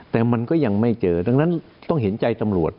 แต่มันก็ยังไม่เจอดังนั้นต้องเห็นใจตำรวจ